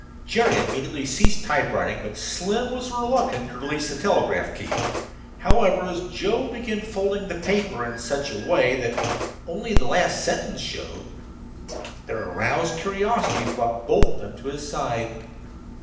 Jerry immediately ceased typewriting, but Slim was reluctant to release the telegraph key. However, as Joe began folding the paper in such a way that only the last sentence showed, their aroused curiosity brought both of them to his side.